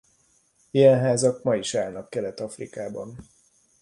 Ilyen házak ma is állnak Kelet-Afrikában.